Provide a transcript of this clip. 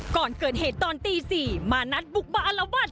ก่อนเกิดเหตุตอนตีสี่มานัดบุกบะอละวัด